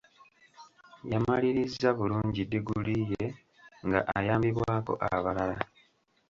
Yamalirizza bulungi ddigiri ye nga ayambibwako abalala.